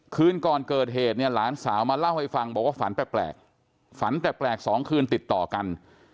คืนก่อนเกิดเหตุเนี่ยหลานสาวมาเล่าให้ฟังบอกว่าฝันแปลกฝันแปลก๒คืนติดต่อกัน